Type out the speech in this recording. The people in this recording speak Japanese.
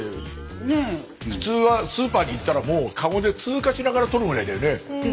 普通はスーパーに行ったらもうカゴで通過しながら取るぐらいだよね歩きながら。